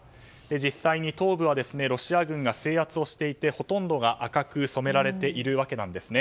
実際に東部はロシア軍が制圧をしていてほとんどが赤く染められているわけです。